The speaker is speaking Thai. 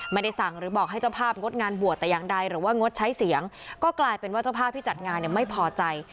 ไม่ได้สั่งหรือบอกให้เจ้าภาพงดงานบวชแต่อย่างใดหรือว่างดใช้เสียงก็กลายเป็นว่าเจ้าภาพที่จัดงานเนี่ยไม่พอใจ